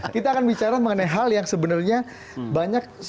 kita akan bicara mengenai hal yang sebenarnya banyak sekali